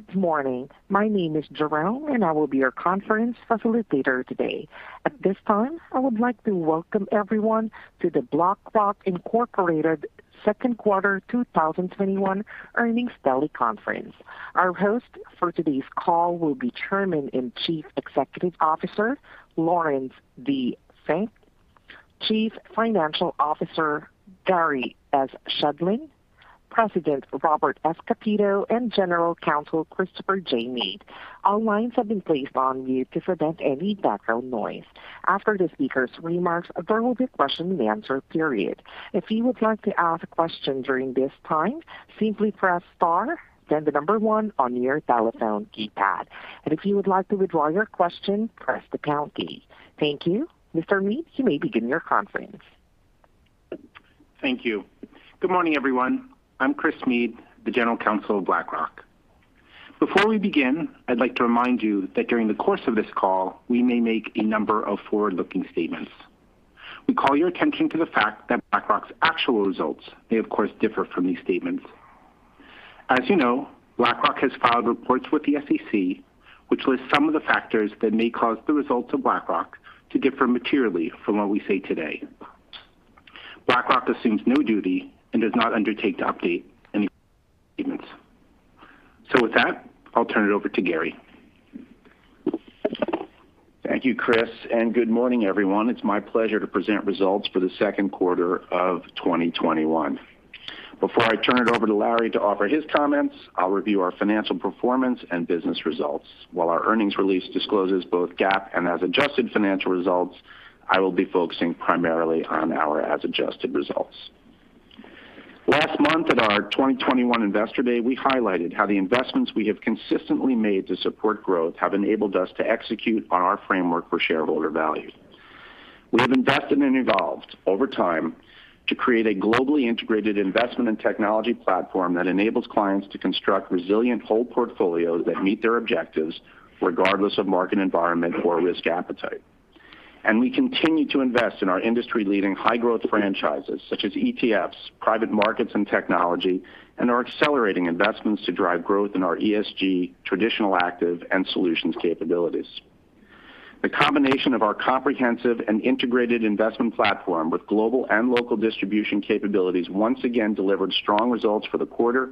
Good morning. My name is Jerome, I will be your conference specialist leader today. At this time, I would like to welcome everyone to the BlackRock, Incorporated Second Quarter 2021 Earnings Teleconference. Our host for today's call will be Chairman and Chief Executive Officer Laurence D. Fink, Chief Financial Officer Gary S. Shedlin, President Robert S. Kapito, and General Counsel Christopher J. Meade. All lines have been placed on mute to prevent any background noise. After the speakers' remarks, there will be a question-and-answer period. If you would like to ask a question during this time, simply press star, then the number one on your telephone keypad. If you would like to withdraw your question, press the pound key. Thank you. Mr. Meade, you may begin your conference. Thank you. Good morning, everyone. I'm Chris Meade, the General Counsel of BlackRock. Before we begin, I'd like to remind you that during the course of this call, we may make a number of forward-looking statements. We call your attention to the fact that BlackRock's actual results may, of course, differ from these statements. As you know, BlackRock has filed reports with the SEC, which list some of the factors that may cause the results of BlackRock to differ materially from what we say today. BlackRock assumes no duty and does not undertake to update any statements. With that, I'll turn it over to Gary. Thank you, Chris, and good morning, everyone. It's my pleasure to present results for the second quarter of 2021. Before I turn it over to Larry to offer his comments, I'll review our financial performance and business results. While our earnings release discloses both GAAP and as adjusted financial results, I will be focusing primarily on our as adjusted results. Last month at our 2021 Investor Day, we highlighted how the investments we have consistently made to support growth have enabled us to execute on our framework for shareholder value. We have invested and evolved over time to create a globally integrated investment and technology platform that enables clients to construct resilient whole portfolios that meet their objectives regardless of market environment or risk appetite. We continue to invest in our industry-leading high-growth franchises such as ETFs, private markets and technology, and are accelerating investments to drive growth in our ESG, traditional active, and solutions capabilities. The combination of our comprehensive and integrated investment platform with global and local distribution capabilities once again delivered strong results for the quarter,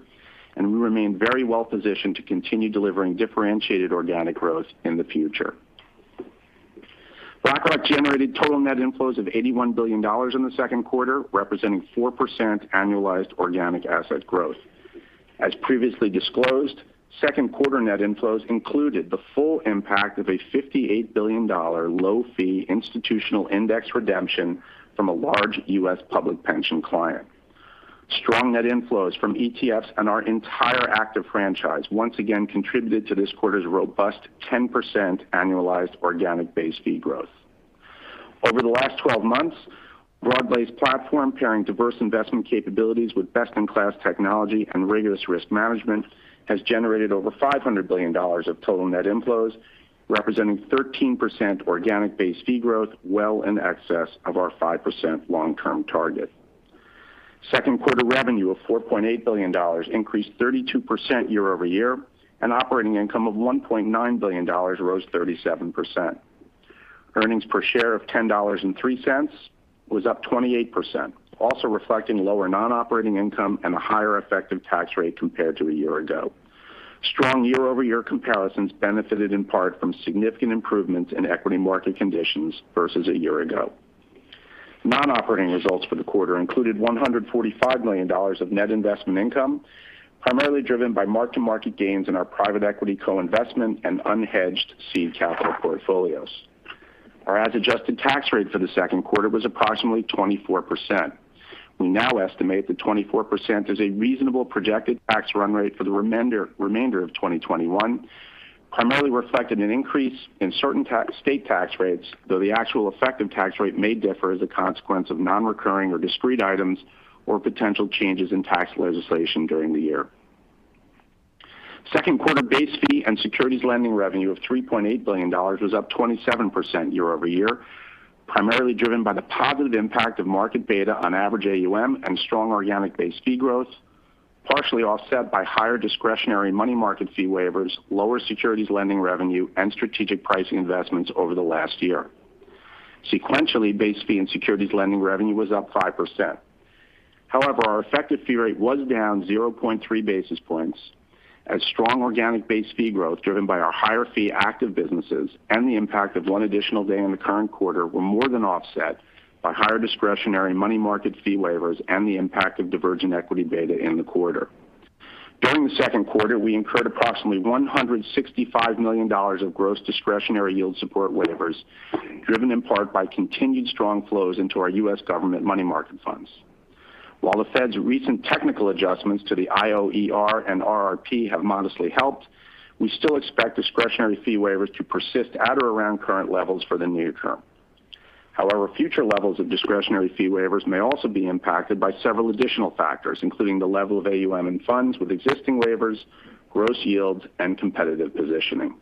and we remain very well positioned to continue delivering differentiated organic growth in the future. BlackRock generated total net inflows of $81 billion in the second quarter, representing 4% annualized organic asset growth. As previously disclosed, second quarter net inflows included the full impact of a $58 billion low-fee institutional index redemption from a large U.S. public pension client. Strong net inflows from ETFs and our entire active franchise once again contributed to this quarter's robust 10% annualized organic base fee growth. Over the last 12 months, BlackRock's platform pairing diverse investment capabilities with best-in-class technology and rigorous risk management has generated over $500 billion of total net inflows, representing 13% organic base fee growth well in excess of our 5% long-term target. Second quarter revenue of $4.8 billion increased 32% year-over-year, and operating income of $1.9 billion rose 37%. Earnings per share of $10.03 was up 28%, also reflecting lower non-operating income and a higher effective tax rate compared to a year ago. Strong year-over-year comparisons benefited in part from significant improvements in equity market conditions versus a year ago. Non-operating results for the quarter included $145 million of net investment income, primarily driven by mark-to-market gains in our private equity co-investment and unhedged seed capital portfolios. Our as adjusted tax rate for the second quarter was approximately 24%. We now estimate that 24% is a reasonable projected tax run rate for the remainder of 2021, primarily reflecting an increase in certain state tax rates, though the actual effective tax rate may differ as a consequence of non-recurring or discrete items or potential changes in tax legislation during the year. Second quarter base fee and securities lending revenue of $3.8 billion was up 27% year-over-year, primarily driven by the positive impact of market beta on average AUM and strong organic base fee growth, partially offset by higher discretionary money market fee waivers, lower securities lending revenue, and strategic pricing investments over the last year. Sequentially, base fee and securities lending revenue was up 5%. Our effective fee rate was down 0.3 basis points as strong organic base fee growth, driven by our higher fee active businesses and the impact of one additional day in the current quarter, were more than offset by higher discretionary money market fee waivers and the impact of divergent equity beta in the quarter. During the second quarter, we incurred approximately $165 million of gross discretionary yield support waivers, driven in part by continued strong flows into our U.S. government money market funds. The Fed's recent technical adjustments to the IOER and RRP have modestly helped, we still expect discretionary fee waivers to persist at or around current levels for the near term. However, future levels of discretionary fee waivers may also be impacted by several additional factors, including the level of AUM in funds with existing waivers, gross yields, and competitive positioning.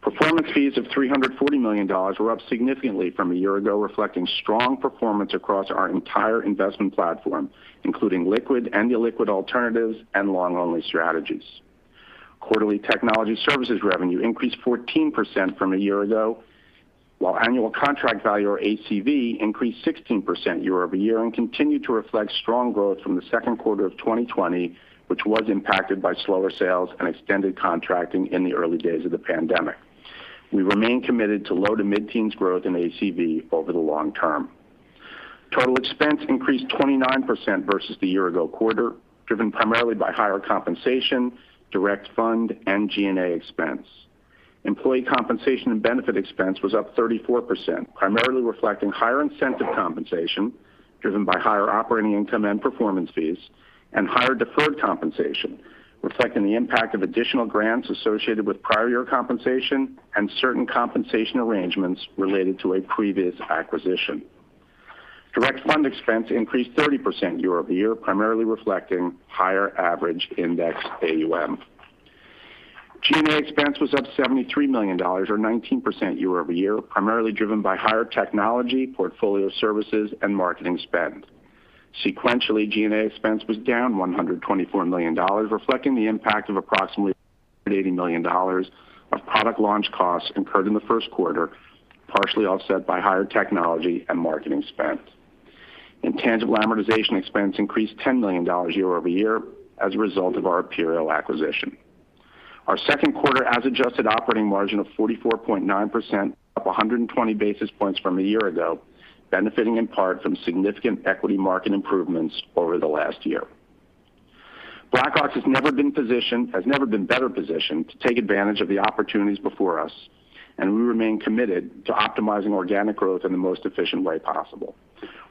Performance fees of $340 million were up significantly from a year-ago, reflecting strong performance across our entire investment platform, including liquid and illiquid alternatives and long-only strategies. Quarterly technology services revenue increased 14% from a year-ago, while annual contract value, or ACV, increased 16% year-over-year and continued to reflect strong growth from the second quarter of 2020, which was impacted by slower sales and extended contracting in the early days of the pandemic. We remain committed to low-to-mid-teens growth in ACV over the long term. Total expense increased 29% versus the year-ago quarter, driven primarily by higher compensation, direct fund, and G&A expense. Employee compensation and benefit expense was up 34%, primarily reflecting higher incentive compensation driven by higher operating income and performance fees, and higher deferred compensation, reflecting the impact of additional grants associated with prior year compensation and certain compensation arrangements related to a previous acquisition. Direct fund expense increased 30% year-over-year, primarily reflecting higher average index AUM. G&A expense was up $73 million or 19% year-over-year, primarily driven by higher technology, portfolio services, and marketing spend. Sequentially, G&A expense was down $124 million, reflecting the impact of approximately $80 million of product launch costs incurred in the first quarter, partially offset by higher technology and marketing spend. Intangible amortization expense increased $10 million year-over-year as a result of our Aperio acquisition. Our second quarter as adjusted operating margin of 44.9%, up 120 basis points from a year ago, benefiting in part from significant equity market improvements over the last year. BlackRock has never been better positioned to take advantage of the opportunities before us, and we remain committed to optimizing organic growth in the most efficient way possible.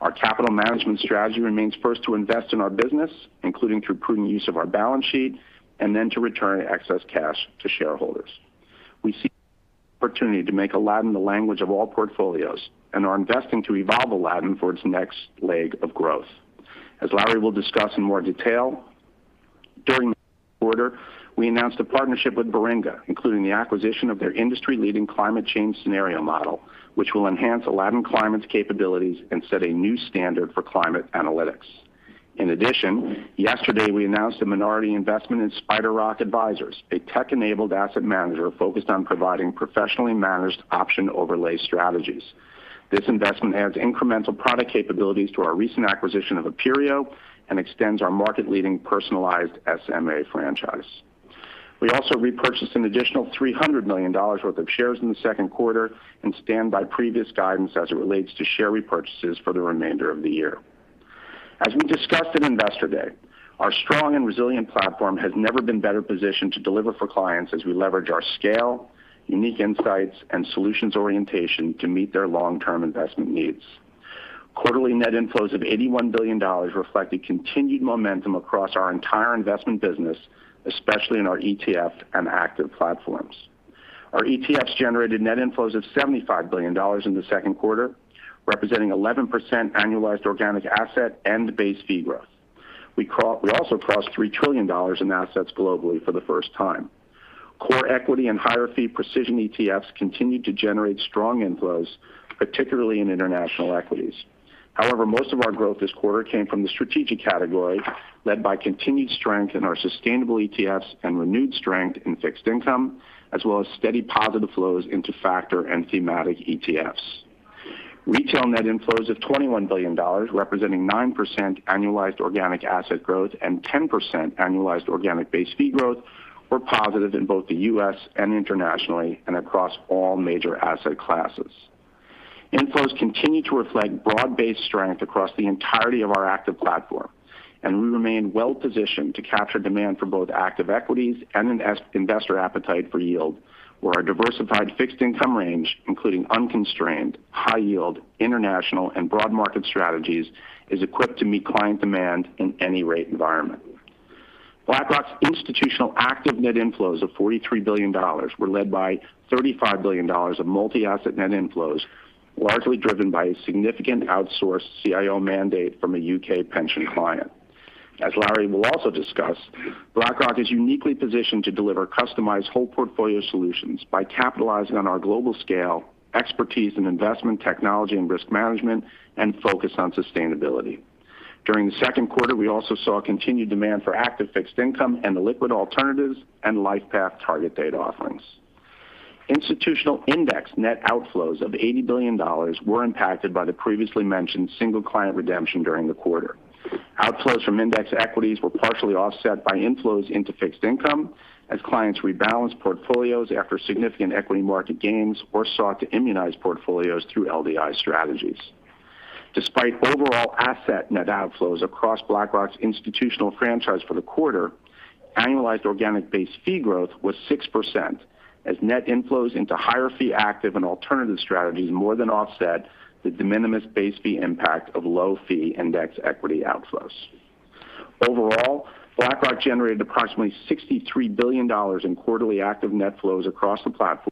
Our capital management strategy remains first to invest in our business, including through prudent use of our balance sheet, and then to return excess cash to shareholders. We see the opportunity to make Aladdin the language of all portfolios and are investing to evolve Aladdin for its next leg of growth. As Larry will discuss in more detail, during the quarter, we announced a partnership with Baringa, including the acquisition of their industry-leading climate change scenario model, which will enhance Aladdin Climate's capabilities and set a new standard for climate analytics. In addition, yesterday we announced a minority investment in SpiderRock Advisors, a tech-enabled asset manager focused on providing professionally managed option overlay strategies. This investment adds incremental product capabilities to our recent acquisition of Aperio and extends our market-leading personalized SMA franchise. We also repurchased an additional $300 million worth of shares in the second quarter and stand by previous guidance as it relates to share repurchases for the remainder of the year. As we discussed in Investor Day, our strong and resilient platform has never been better positioned to deliver for clients as we leverage our scale, unique insights, and solutions orientation to meet their long-term investment needs. Quarterly net inflows of $81 billion reflect the continued momentum across our entire investment business, especially in our ETF and active platforms. Our ETFs generated net inflows of $75 billion in the second quarter, representing 11% annualized organic asset and base fee growth. We also crossed $3 trillion in assets globally for the first time. Core equity and higher fee precision ETFs continued to generate strong inflows, particularly in international equities. However, most of our growth this quarter came from the strategic category, led by continued strength in our sustainable ETFs and renewed strength in fixed income, as well as steady positive flows into factor and thematic ETFs. Retail net inflows of $21 billion, representing 9% annualized organic asset growth and 10% annualized organic base fee growth, were positive in both the U.S. and internationally and across all major asset classes. Inflows continue to reflect broad-based strength across the entirety of our active platform, and we remain well positioned to capture demand for both active equities and investor appetite for yield, where our diversified fixed income range, including unconstrained, high yield, international, and broad market strategies, is equipped to meet client demand in any rate environment. BlackRock's institutional active net inflows of $43 billion were led by $35 billion of multi-asset net inflows, largely driven by a significant outsourced CIO mandate from a U.K. pension client. As Larry will also discuss, BlackRock is uniquely positioned to deliver customized whole portfolio solutions by capitalizing on our global scale, expertise in investment technology and risk management, and focus on sustainability. During the second quarter, we also saw continued demand for active fixed income and illiquid alternatives and LifePath target date offerings. Institutional index net outflows of $80 billion were impacted by the previously mentioned single client redemption during the quarter. Outflows from index equities were partially offset by inflows into fixed income as clients rebalanced portfolios after significant equity market gains or sought to immunize portfolios through LDI strategies. Despite overall asset net outflows across BlackRock's institutional franchise for the quarter, annualized organic base fee growth was 6%, as net inflows into higher fee active and alternative strategies more than offset the de minimis base fee impact of low fee index equity outflows. Overall, BlackRock generated approximately $63 billion in quarterly active net flows across the platform,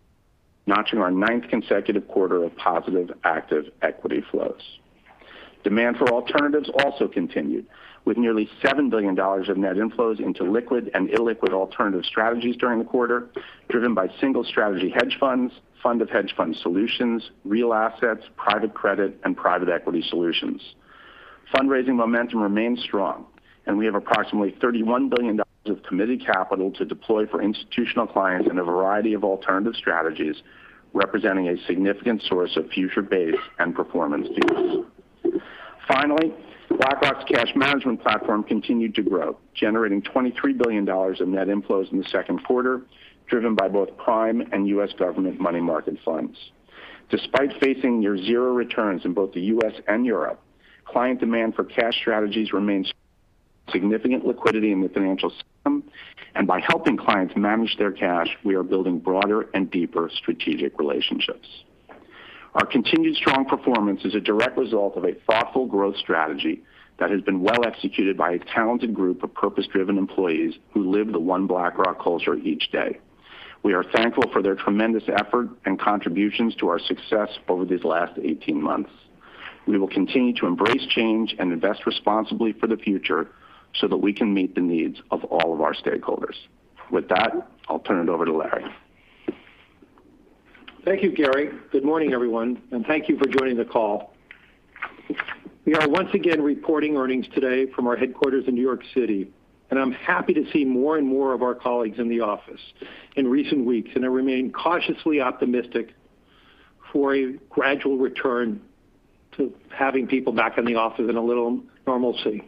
notching our ninth consecutive quarter of positive active equity flows. Demand for alternatives also continued, with nearly $7 billion of net inflows into liquid and illiquid alternative strategies during the quarter, driven by single strategy hedge funds, fund of hedge fund solutions, real assets, private credit, and private equity solutions. We have approximately $31 billion of committed capital to deploy for institutional clients in a variety of alternative strategies, representing a significant source of future base and performance fees. Finally, BlackRock's cash management platform continued to grow, generating $23 billion of net inflows in the second quarter, driven by both prime and U.S. government money market funds. Despite facing near zero returns in both the U.S. and Europe, client demand for cash strategies remains strong given significant liquidity in the financial system, and by helping clients manage their cash, we are building broader and deeper strategic relationships. Our continued strong performance is a direct result of a thoughtful growth strategy that has been well executed by a talented group of purpose-driven employees who live the One BlackRock culture each day. We are thankful for their tremendous effort and contributions to our success over these last 18 months. We will continue to embrace change and invest responsibly for the future so that we can meet the needs of all of our stakeholders. With that, I'll turn it over to Larry. Thank you, Gary. Good morning, everyone, and thank you for joining the call. We are once again reporting earnings today from our headquarters in New York City, and I'm happy to see more and more of our colleagues in the office in recent weeks, and I remain cautiously optimistic for a gradual return to having people back in the office and a little normalcy.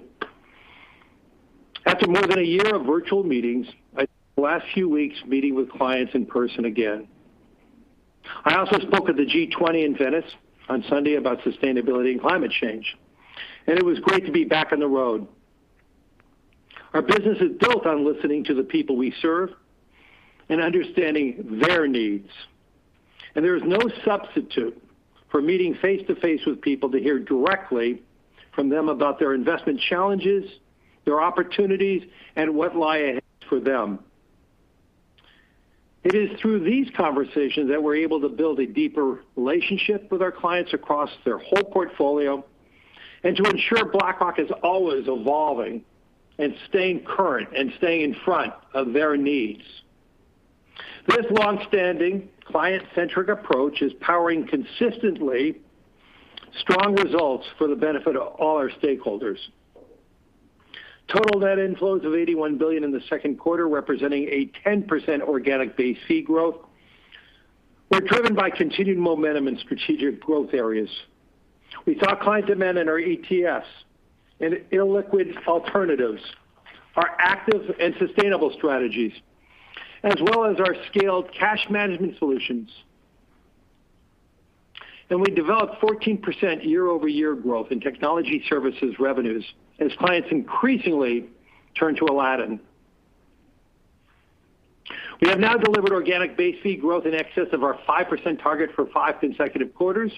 After more than a year of virtual meetings, I spent the last few weeks meeting with clients in person again. I also spoke at the G20 in Venice on Sunday about sustainability and climate change, and it was great to be back on the road. Our business is built on listening to the people we serve and understanding their needs, and there's no substitute for meeting face-to-face with people to hear directly from them about their investment challenges, their opportunities, and what lies ahead for them. It is through these conversations that we're able to build a deeper relationship with our clients across their whole portfolio and to ensure BlackRock is always evolving and staying current and staying in front of their needs. This longstanding client-centric approach is powering consistently strong results for the benefit of all our stakeholders. Total net inflows of $81 billion in the second quarter, representing a 10% organic base fee growth were driven by continued momentum in strategic growth areas. We saw client demand in our ETFs and illiquid alternatives, our active and sustainable strategies, as well as our scaled cash management solutions. We developed 14% year-over-year growth in technology services revenues as clients increasingly turn to Aladdin. We have now delivered organic base fee growth in excess of our 5% target for five consecutive quarters,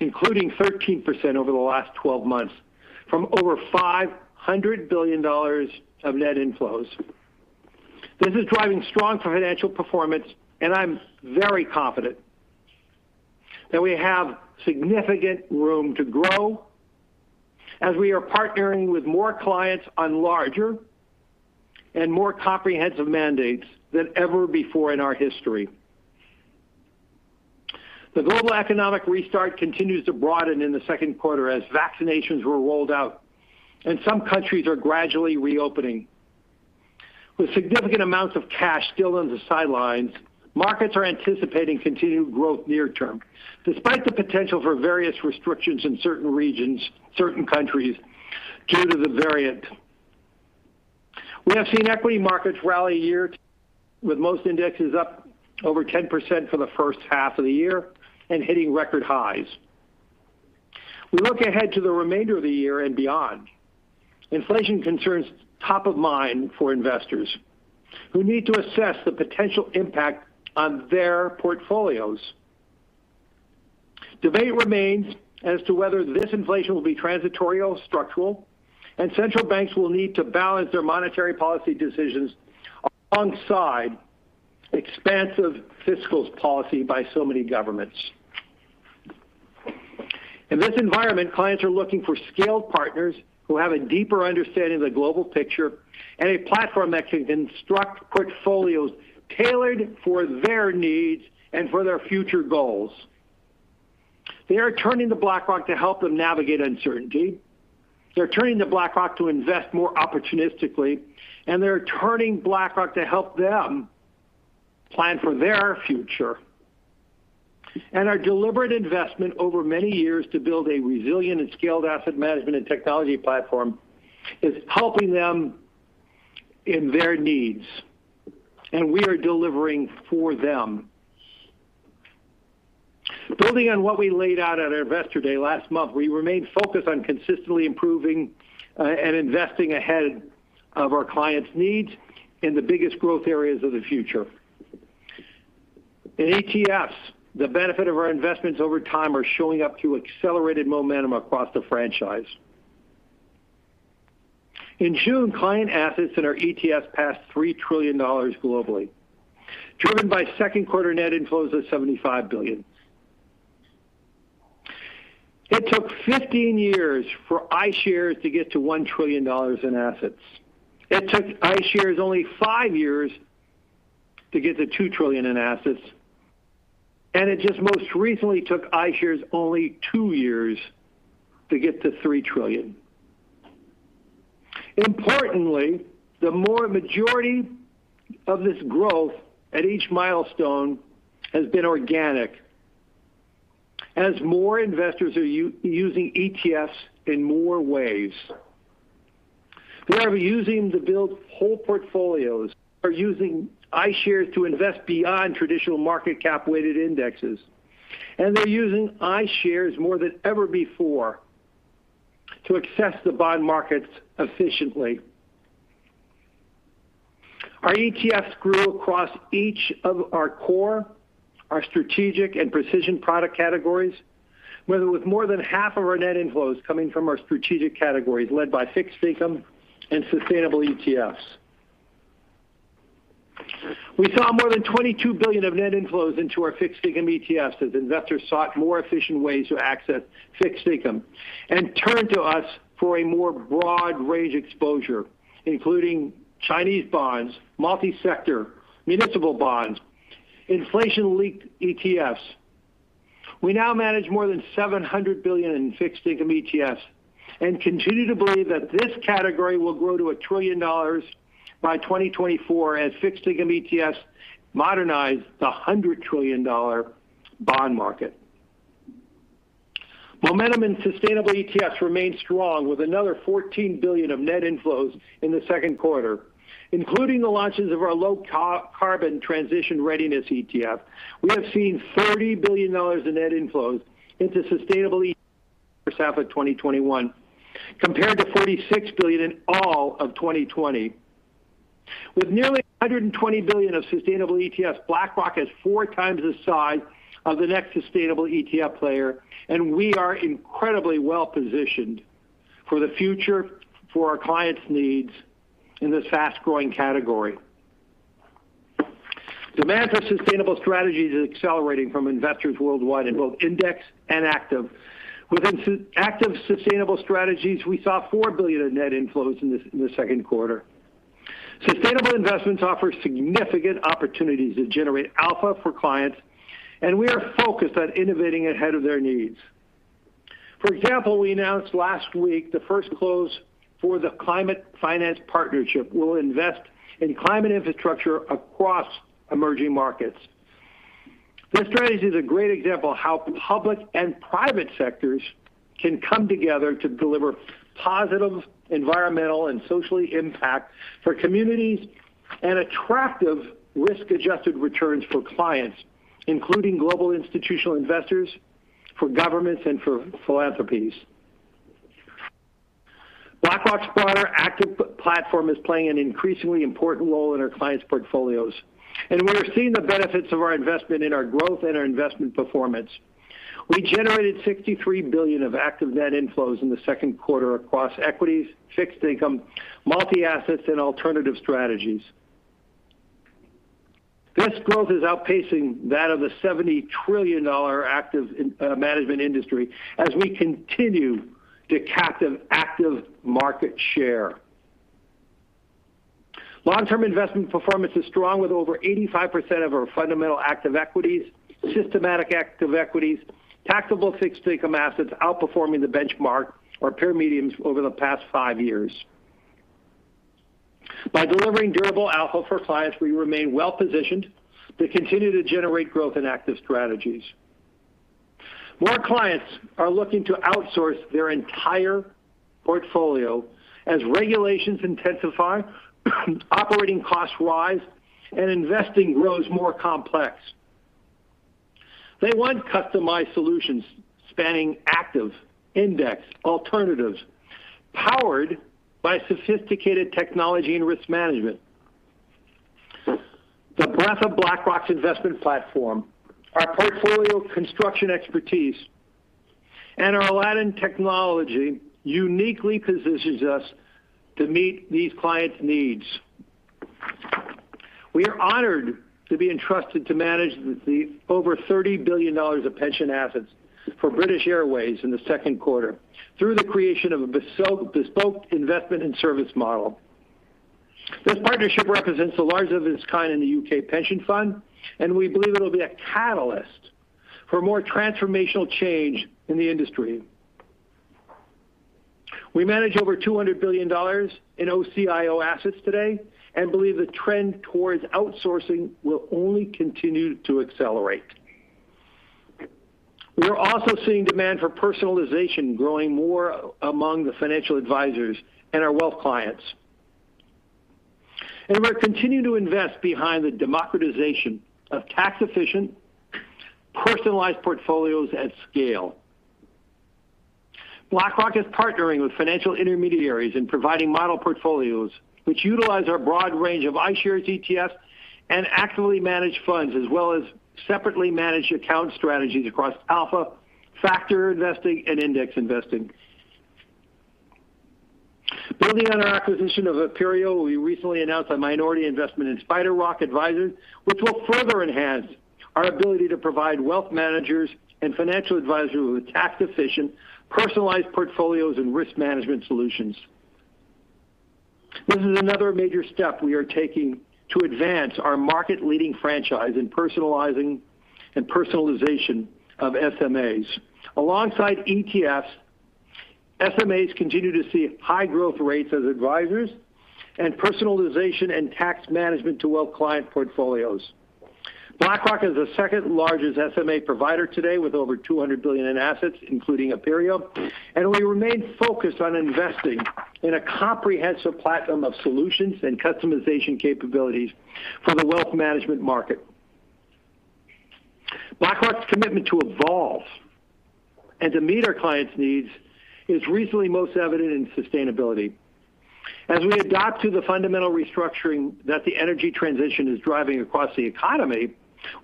including 13% over the last 12 months from over $500 billion of net inflows. This is driving strong financial performance, and I'm very confident that we have significant room to grow as we are partnering with more clients on larger and more comprehensive mandates than ever before in our history. The global economic restart continues to broaden in the second quarter as vaccinations were rolled out and some countries are gradually reopening. With significant amounts of cash still on the sidelines, markets are anticipating continued growth near term, despite the potential for various restrictions in certain countries due to the variant. We have seen equity markets rally year-to-date, with most indexes up over 10% for the first half of the year and hitting record highs. We look ahead to the remainder of the year and beyond. Inflation concerns top of mind for investors who need to assess the potential impact on their portfolios. Debate remains as to whether this inflation will be transitory or structural, and central banks will need to balance their monetary policy decisions alongside expansive fiscal policy by so many governments. In this environment, clients are looking for scaled partners who have a deeper understanding of the global picture and a platform that can construct portfolios tailored for their needs and for their future goals. They are turning to BlackRock to help them navigate uncertainty, they're turning to BlackRock to invest more opportunistically, and they're turning BlackRock to help them plan for their future. Our deliberate investment over many years to build a resilient and scaled asset management and technology platform is helping them in their needs, and we are delivering for them. Building on what we laid out at Investor Day last month, we remain focused on consistently improving and investing ahead of our clients' needs in the biggest growth areas of the future. In ETFs, the benefit of our investments over time are showing up through accelerated momentum across the franchise. In June, client assets in our ETFs passed $3 trillion globally, driven by second quarter net inflows of $75 billion. It took 15 years for iShares to get to $1 trillion in assets. It took iShares only five years to get to $2 trillion in assets, and it just most recently took iShares only two years to get to $3 trillion. Importantly, the majority of this growth at each milestone has been organic as more investors are using ETFs in more ways. They are using to build whole portfolios, are using iShares to invest beyond traditional market cap weighted indexes, and they're using iShares more than ever before to access the bond markets efficiently. Our ETFs grew across each of our core, our strategic and precision product categories, with more than half of our net inflows coming from our strategic categories led by fixed income and sustainable ETFs. We saw more than $22 billion of net inflows into our fixed income ETFs as investors sought more efficient ways to access fixed income and turned to us for a more broad range exposure, including Chinese bonds, multi-sector, municipal bonds, inflation-linked ETFs. We now manage more than $700 billion in fixed income ETFs and continue to believe that this category will grow to $1 trillion by 2024 as fixed income ETFs modernize the $100 trillion bond market. Momentum in sustainable ETFs remains strong with another $14 billion of net inflows in the second quarter, including the launches of our Low Carbon Transition readiness ETF. We have seen $40 billion in net inflows into sustainable ETFs in the first half of 2021, compared to $46 billion in all of 2020. With nearly $120 billion of sustainable ETFs, BlackRock is 4x the size of the next sustainable ETF player, and we are incredibly well-positioned for the future, for our clients' needs in this fast-growing category. Demand for sustainable strategies is accelerating from investors worldwide in both index and active. Within active sustainable strategies, we saw $4 billion in net inflows in the second quarter. Sustainable investments offer significant opportunities to generate alpha for clients, and we are focused on innovating ahead of their needs. For example, we announced last week the first close for the Climate Finance Partnership. We'll invest in climate infrastructure across emerging markets. This strategy is a great example of how public and private sectors can come together to deliver positive environmental and social impact for communities and attractive risk-adjusted returns for clients, including global institutional investors, for governments, and for philanthropies. BlackRock's broader, active platform is playing an increasingly important role in our clients' portfolios, and we are seeing the benefits of our investment in our growth and our investment performance. We generated $63 billion of active net inflows in the second quarter across equities, fixed income, multi-assets, and alternative strategies. This growth is outpacing that of the $70 trillion active management industry as we continue to capture active market share. Long-term investment performance is strong with over 85% of our fundamental active equities, systematic active equities, taxable fixed income assets outperforming the benchmark or peer medians over the past five years. By delivering durable alpha for clients, we remain well-positioned to continue to generate growth in active strategies. More clients are looking to outsource their entire portfolio as regulations intensify, operating costs rise, and investing grows more complex. They want customized solutions spanning active, index, alternatives, powered by sophisticated technology and risk management. The breadth of BlackRock's investment platform, our portfolio construction expertise, and our Aladdin technology uniquely positions us to meet these clients' needs. We are honored to be entrusted to manage the over $30 billion of pension assets for British Airways in the second quarter through the creation of a bespoke investment and service model. This partnership represents the largest of its kind in the U.K. pension fund, and we believe it'll be a catalyst for more transformational change in the industry. We manage over $200 billion in OCIO assets today and believe the trend towards outsourcing will only continue to accelerate. We're also seeing demand for personalization growing more among the financial advisors and our wealth clients, and we're continuing to invest behind the democratization of tax-efficient, personalized portfolios at scale. BlackRock is partnering with financial intermediaries in providing model portfolios which utilize our broad range of iShares ETFs and actively managed funds, as well as separately managed account strategies across AlphaFactor investing and index investing. Building on our acquisition of Aperio, we recently announced a minority investment in SpiderRock Advisors, which will further enhance our ability to provide wealth managers and financial advisors with tax-efficient, personalized portfolios and risk management solutions. This is another major step we are taking to advance our market-leading franchise in personalizing and personalization of SMAs. Alongside ETFs, SMAs continue to see high growth rates as advisors add personalization and tax management to wealth client portfolios. BlackRock is the second-largest SMA provider today with over $200 billion in assets, including Aperio, and we remain focused on investing in a comprehensive platform of solutions and customization capabilities for the wealth management market. BlackRock's commitment to evolve and to meet our clients' needs is recently most evident in sustainability. As we adapt to the fundamental restructuring that the energy transition is driving across the economy,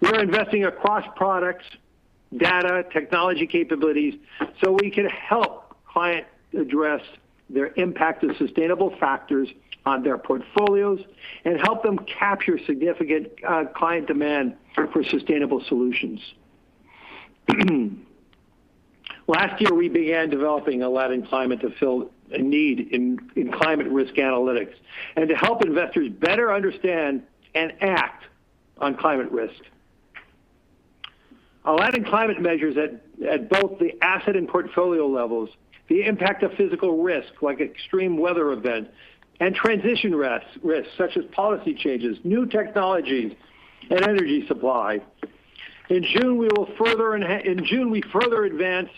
we are investing across products, data, technology capabilities, so we can help clients address the impact of sustainable factors on their portfolios and help them capture significant client demand for sustainable solutions. Last year, we began developing Aladdin Climate to fill a need in climate risk analytics and to help investors better understand and act on climate risk. Aladdin Climate measures at both the asset and portfolio levels, the impact of physical risk, like extreme weather events, and transition risks such as policy changes, new technologies, and energy supply. In June, we further advanced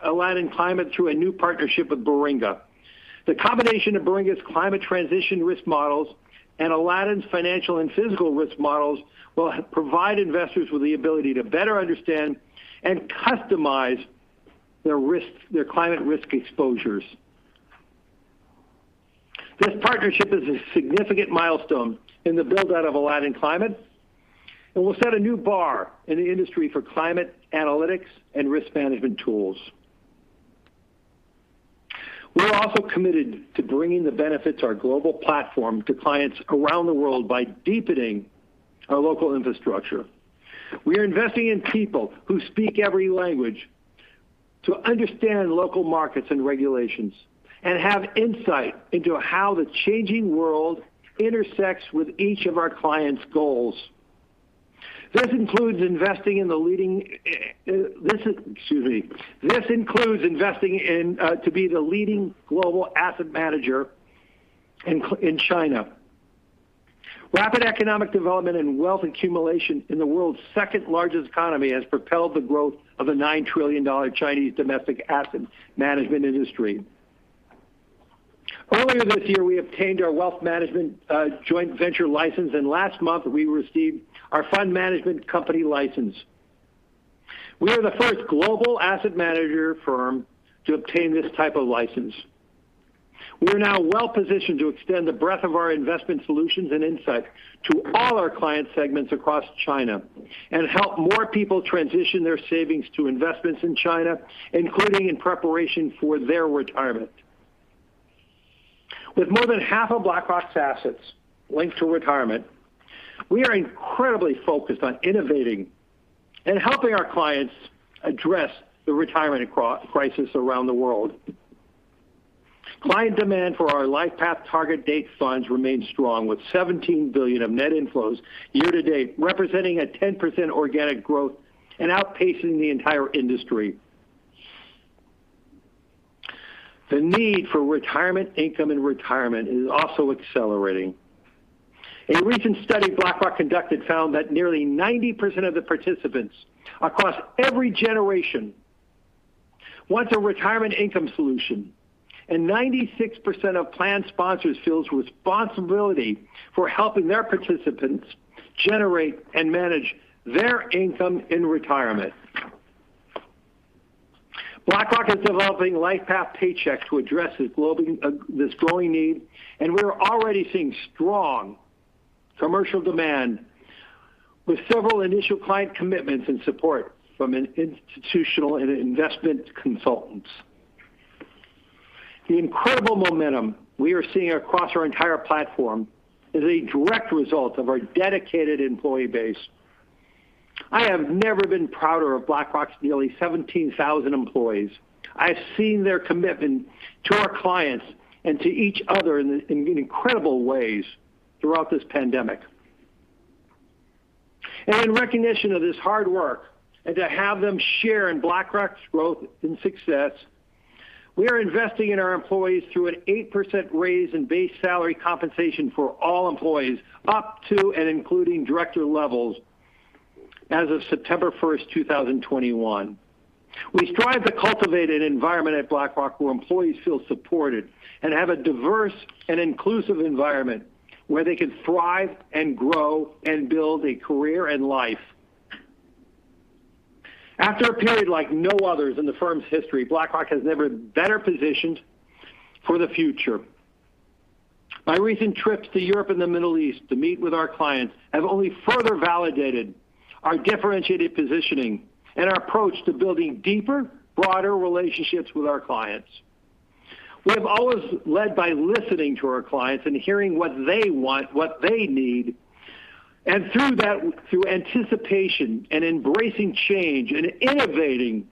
Aladdin Climate through a new partnership with Baringa. The combination of Baringa's climate transition risk models and Aladdin's financial and physical risk models will provide investors with the ability to better understand and customize their climate risk exposures. This partnership is a significant milestone in the build-out of Aladdin Climate and will set a new bar in the industry for climate analytics and risk management tools. We're also committed to bringing the benefits of our global platform to clients around the world by deepening our local infrastructure. We are investing in people who speak every language to understand local markets and regulations and have insight into how the changing world intersects with each of our clients' goals. This includes investing to be the leading global asset manager in China. Rapid economic development and wealth accumulation in the world's second-largest economy has propelled the growth of a $9 trillion Chinese domestic asset management industry. Earlier this year, we obtained our wealth management joint venture license, and last month we received our fund management company license. We are the first global asset manager firm to obtain this type of license. We're now well-positioned to extend the breadth of our investment solutions and insights to all our client segments across China and help more people transition their savings to investments in China, including in preparation for their retirement. With more than half of BlackRock's assets linked to retirement, we are incredibly focused on innovating and helping our clients address the retirement crisis around the world. Client demand for our LifePath target date funds remains strong, with $17 billion of net inflows year-to-date, representing a 10% organic growth and outpacing the entire industry. The need for retirement income in retirement is also accelerating. A recent study BlackRock conducted found that nearly 90% of the participants across every generation wants a retirement income solution, and 96% of plan sponsors feel responsibility for helping their participants generate and manage their income in retirement. BlackRock is developing LifePath Paycheck to address this growing need, and we're already seeing strong commercial demand with several initial client commitments and support from institutional and investment consultants. The incredible momentum we are seeing across our entire platform is a direct result of our dedicated employee base. I have never been prouder of BlackRock's nearly 17,000 employees. I've seen their commitment to our clients and to each other in incredible ways throughout this pandemic. In recognition of this hard work and to have them share in BlackRock's growth and success, we are investing in our employees through an 8% raise in base salary compensation for all employees up to and including director levels as of September 1st, 2021. We strive to cultivate an environment at BlackRock where employees feel supported and have a diverse and inclusive environment where they can thrive and grow and build a career and life. After a period like no other in the firm's history, BlackRock has never been better positioned for the future. My recent trips to Europe and the Middle East to meet with our clients have only further validated our differentiated positioning and our approach to building deeper, broader relationships with our clients. We have always led by listening to our clients and hearing what they want, what they need. through that, through anticipation and embracing change and innovating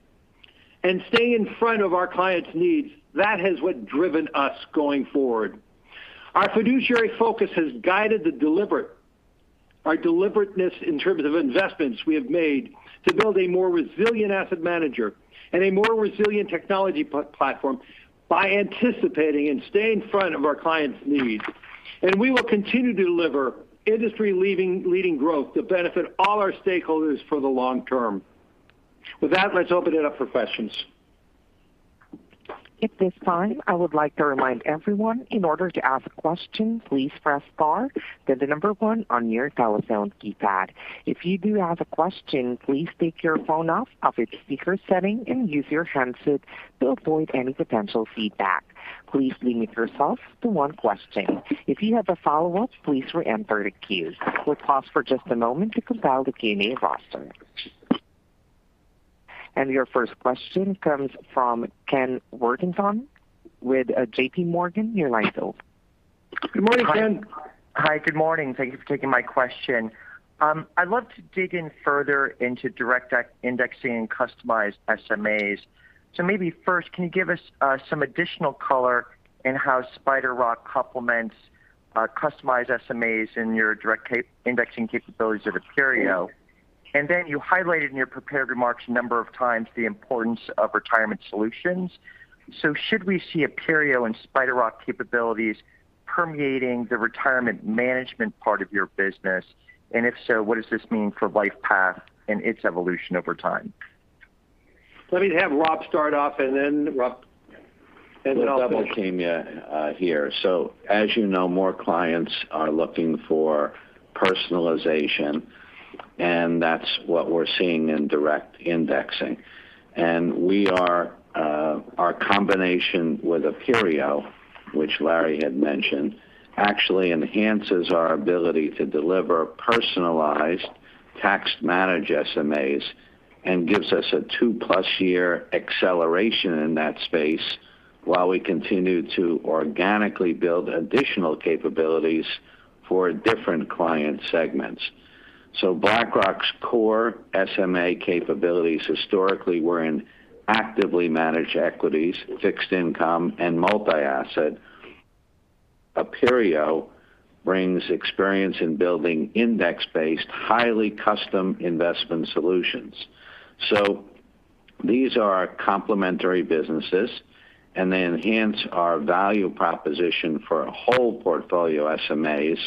and staying in front of our clients' needs, that is what driven us going forward. Our fiduciary focus has guided our deliberateness in terms of investments we have made to build a more resilient asset manager and a more resilient technology platform by anticipating and staying in front of our clients' needs. we will continue to deliver industry-leading growth to benefit all our stakeholders for the long term. With that, let's open it up for questions. At this time, I would like to remind everyone, in order to ask a question, please press star, then the number one on your telephone keypad. If you do have a question, please take your phone off of its speaker setting and use your handsets to avoid any potential feedback. Please limit yourself to one question. If you have a follow-up, please re-enter the queues. We'll pause for just a moment to compile the QA roster. And your first question comes from Ken Worthington with JPMorgan. Your line's open. Good morning, Ken. Hi, good morning. Thank you for taking my question. I'd love to dig in further into direct indexing and customized SMAs. Maybe first, can you give us some additional color in how SpiderRock complements customized SMAs in your direct indexing capabilities of Aperio? Then you highlighted in your prepared remarks a number of times the importance of retirement solutions. Should we see Aperio and SpiderRock capabilities permeating the retirement management part of your business? If so, what does this mean for LifePath and its evolution over time? Let me have Rob start off and then double-team you here. As you know, more clients are looking for personalization, and that's what we're seeing in direct indexing. Our combination with Aperio, which Laurence D. Fink had mentioned, actually enhances our ability to deliver personalized, tax-managed SMAs and gives us a 2+ year acceleration in that space while we continue to organically build additional capabilities for different client segments. BlackRock's core SMA capabilities historically were in actively managed equities, fixed income, and multi-asset. Aperio brings experience in building index-based, highly custom investment solutions. These are complementary businesses, and they enhance our value proposition for whole portfolio SMAs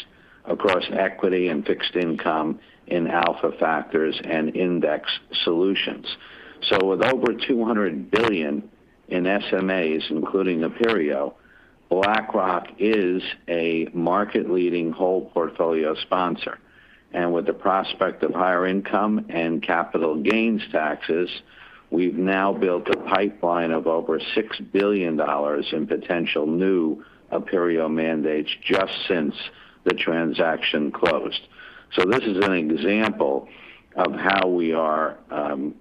across equity and fixed income in alpha factors and index solutions. With over $200 billion in SMAs, including Aperio, BlackRock is a market-leading whole portfolio sponsor. With the prospect of higher income and capital gains taxes, we've now built a pipeline of over $6 billion in potential new Aperio mandates just since the transaction closed. This is an example of how we are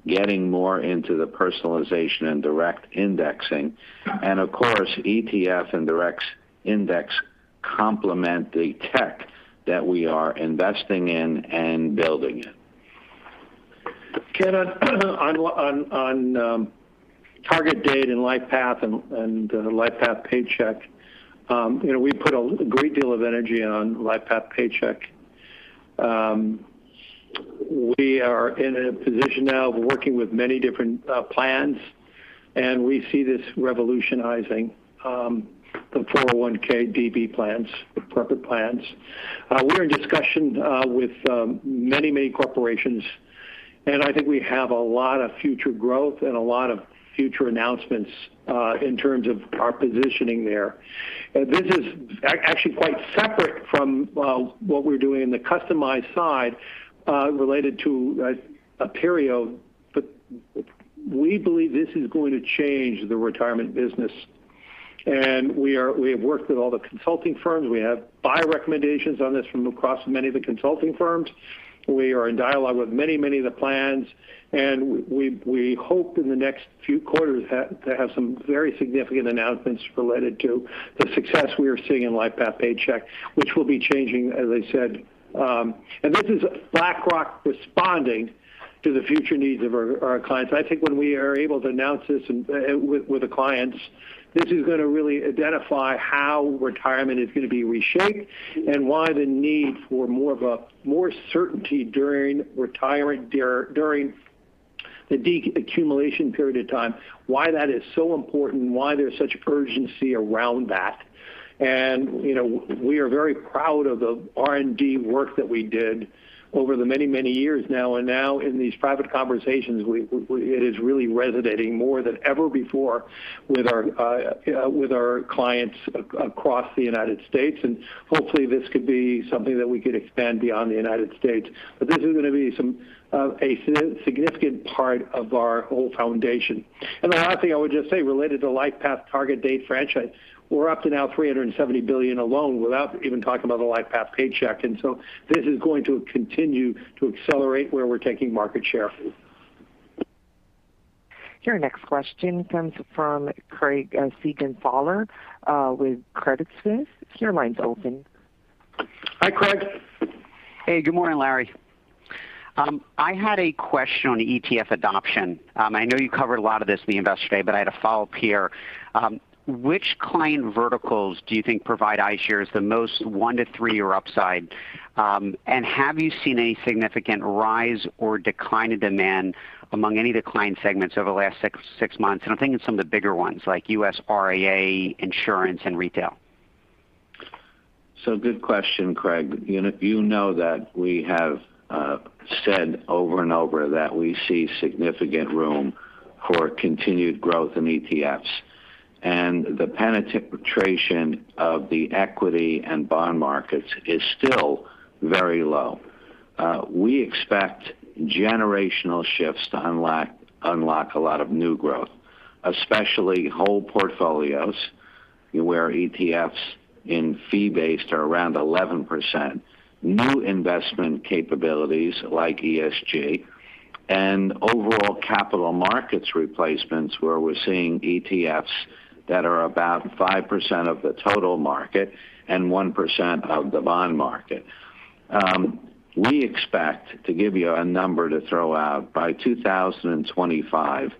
getting more into the personalization and direct indexing. Of course, ETF and direct index complement the tech that we are investing in and building in. Ken, on target date and LifePath and LifePath Paycheck, we put a great deal of energy on LifePath Paycheck. We are in a position now of working with many different plans, and we see this revolutionizing the 401(k) DB plans, the profit plans. We're in discussions with many, many corporations, and I think we have a lot of future growth and a lot of future announcements in terms of our positioning there. This is actually quite separate from what we're doing on the customized side related to Aperio. We believe this is going to change the retirement business. We have worked with all the consulting firms. We have buy recommendations on this from across many of the consulting firms. We are in dialogue with many, many of the plans, and we hope in the next few quarters to have some very significant announcements related to the success we are seeing in LifePath Paycheck, which will be changing, as I said. This is BlackRock responding to the future needs of our clients. I think when we are able to announce this with the clients, this is going to really identify how retirement is going to be reshaped and why the need for more certainty during the de-accumulation period of time, why that is so important, why there's such urgency around that. We are very proud of the R&D work that we did over the many, many years now. Now in these private conversations, it is really resonating more than ever before with our clients across the United States, and hopefully this could be something that we could expand beyond the United States. This is going to be a significant part of our whole foundation. Lastly, I would just say, related to LifePath Target Date franchise, we're up to now $370 billion alone without even talking about the LifePath Paycheck. This is going to continue to accelerate where we're taking market share. Your next question comes from Craig Siegenthaler with Credit Suisse. Your line's open. Hi, Craig. Hey, good morning, Larry. I had a question on ETF adoption. I know you covered a lot of this in the Investor Day, but I had a follow-up here. Which client verticals do you think provide iShares the most one to three year upside? Have you seen a significant rise or decline in demand among any of the client segments over the last six months? I'm thinking some of the bigger ones like U.S. RIA, insurance, and retail. Good question, Craig. You know that we have said over and over that we see significant room for continued growth in ETFs, and the penetration of the equity and bond markets is still very low. We expect generational shifts to unlock a lot of new growth, especially whole portfolios where ETFs in fee-based are around 11%, new investment capabilities like ESG, and overall capital markets replacements, where we're seeing ETFs that are about 5% of the total market and 1% of the bond market. We expect, to give you a number to throw out, by 2025,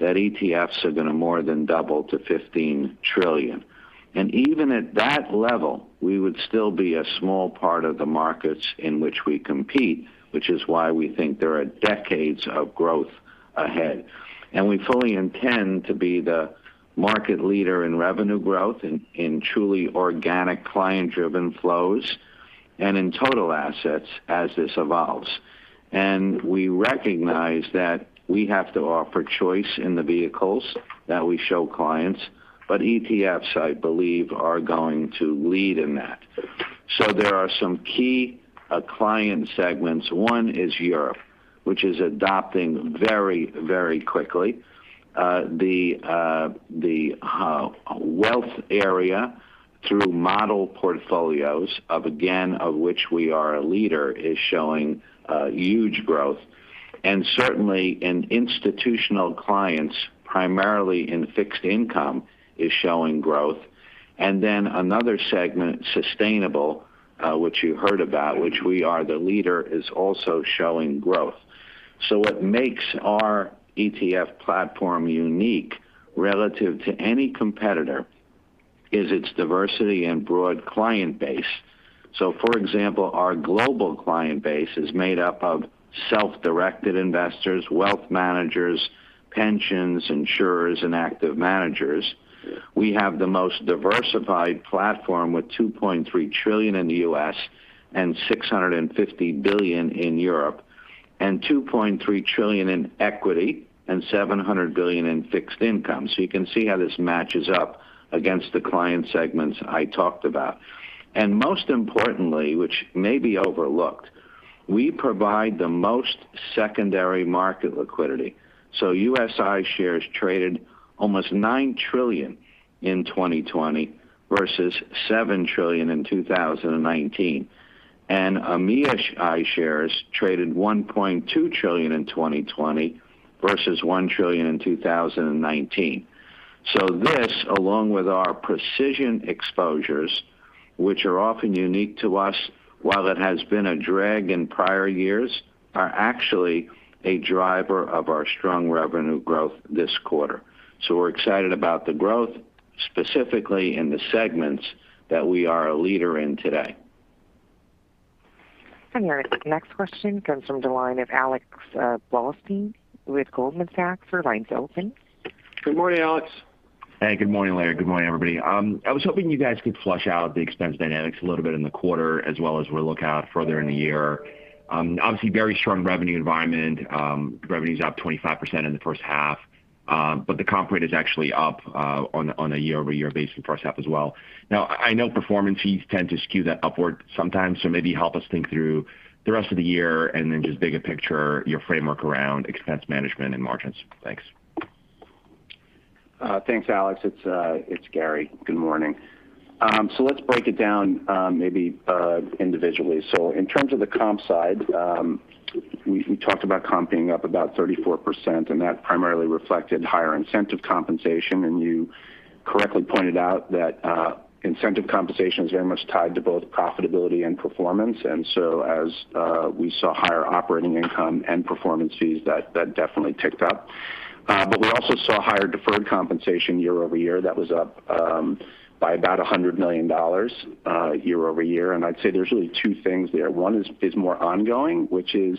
that ETFs are going to more than double to $15 trillion. Even at that level, we would still be a small part of the markets in which we compete, which is why we think there are decades of growth ahead. We fully intend to be the market leader in revenue growth in truly organic, client-driven flows and in total assets as this evolves. We recognize that we have to offer choice in the vehicles that we show clients, but ETFs, I believe, are going to lead in that. There are some key client segments. One is Europe, which is adopting very quickly. The wealth area through model portfolios, again, of which we are a leader, is showing huge growth. Certainly in institutional clients, primarily in fixed income, is showing growth. Another segment, sustainable, which you heard about, which we are the leader, is also showing growth. What makes our ETF platform unique relative to any competitor is its diversity and broad client base. For example, our global client base is made up of self-directed investors, wealth managers, pensions, insurers, and active managers. We have the most diversified platform with $2.3 trillion in the U.S. and $650 billion in Europe and $2.3 trillion in equity and $700 billion in fixed income. You can see how this matches up against the client segments I talked about. Most importantly, which may be overlooked, we provide the most secondary market liquidity. U.S. iShares traded almost $9 trillion in 2020 versus $7 trillion in 2019. EMEA iShares traded $1.2 trillion in 2020 versus $1 trillion in 2019. This, along with our precision exposures, which are often unique to us, while it has been a drag in prior years, are actually a driver of our strong revenue growth this quarter. We're excited about the growth, specifically in the segments that we are a leader in today. Larry, the next question comes from the line of Alex Blostein with Goldman Sachs. Your line's open. Good morning, Alex. Hey, good morning, Larry. Good morning, everybody. I was hoping you guys could flesh out the expense dynamics a little bit in the quarter, as well as we look out further in the year. Obviously, very strong revenue environment. Revenue's up 25% in the first half. The comp rate is actually up on a year-over-year basis first half as well. Now, I know performance fees tend to skew that upward sometimes, so maybe help us think through the rest of the year and then just big-picture your framework around expense management and margins. Thanks. Thanks, Alex. It's Gary. Good morning. Let's break it down maybe individually. In terms of the comp side, we talked about comp being up about 34%, and that primarily reflected higher incentive compensation. You correctly pointed out that incentive compensation is very much tied to both profitability and performance. As we saw higher operating income and performance fees, that definitely ticked up. We also saw higher deferred compensation year-over-year. That was up by about $100 million year-over-year. I'd say there's really two things there. One is more ongoing, which is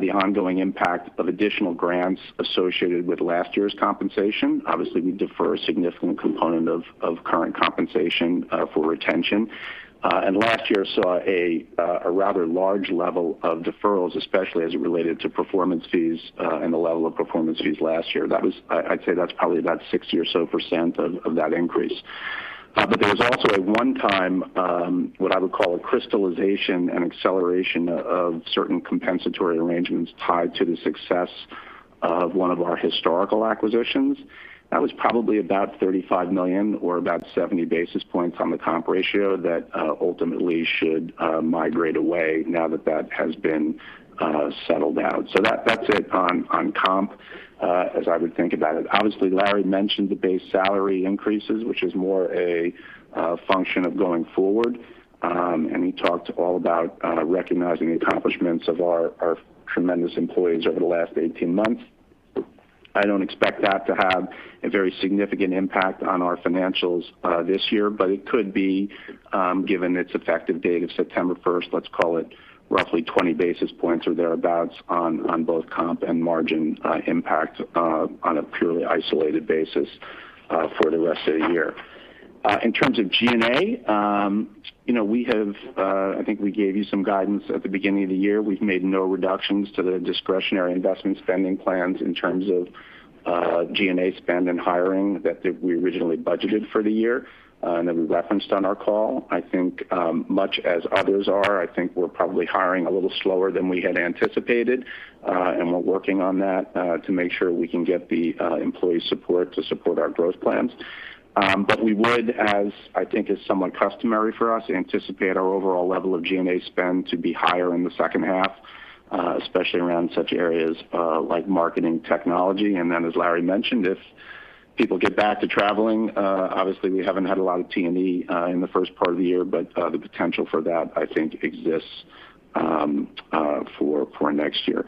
the ongoing impact of additional grants associated with last year's compensation. Obviously, we defer a significant component of current compensation for retention. Last year saw a rather large level of deferrals, especially as it related to performance fees and the level of performance fees last year. I'd say that's probably about 60 or so % of that increase. There was also a one-time, what I would call a crystallization and acceleration of certain compensatory arrangements tied to the success of one of our historical acquisitions that was probably about $35 million or about 70 basis points on the comp ratio that ultimately should migrate away now that has been settled down. That's it on comp as I would think about it. Obviously, Larry mentioned the base salary increases, which is more a function of going forward. He talked all about recognizing the accomplishments of our tremendous employees over the last 18 months. I don't expect that to have a very significant impact on our financials this year, but it could be given its effective date of September 1st. Let's call it roughly 20 basis points or thereabouts on both comp and margin impact on a purely isolated basis for the rest of the year. In terms of G&A, I think we gave you some guidance at the beginning of the year. We've made no reductions to the discretionary investment spending plans in terms of G&A spend and hiring that we originally budgeted for the year that we referenced on our call. I think much as others are, I think we're probably hiring a little slower than we had anticipated. We're working on that to make sure we can get the employee support to support our growth plans. We would, as I think is somewhat customary for us, anticipate our overall level of G&A spend to be higher in the second half, especially around such areas like marketing technology. As Larry mentioned, if people get back to traveling, obviously we haven't had a lot of T&E in the first part of the year, but the potential for that, I think exists for next year.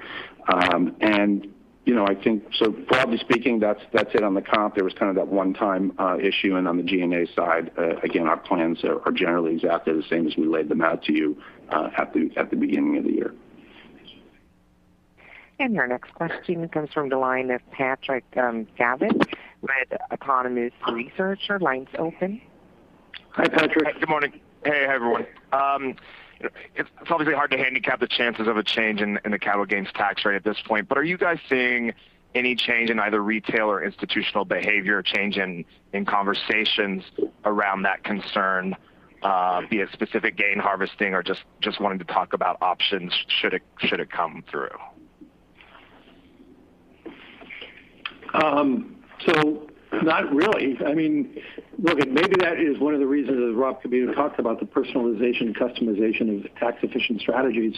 Broadly speaking, that's it on the comp. There was kind of that one time issue. On the G&A side, again, our plans are generally exactly the same as we laid them out to you at the beginning of the year. Your next question comes from the line of Patrick Davitt with Autonomous Research. Your line is open. Hi, Patrick. Good morning. Hey, everyone. It's obviously hard to handicap the chances of a change in the capital gains tax rate at this point. Are you guys seeing any change in either retail or institutional behavior change in conversations around that concern, be it specific gain harvesting or just wanting to talk about options should it come through? Not really. I mean, look, maybe that is one of the reasons that Rob can be able to talk about the personalization and customization of tax-efficient strategies.